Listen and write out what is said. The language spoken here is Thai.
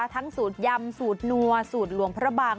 สูตรยำสูตรนัวสูตรหลวงพระบาง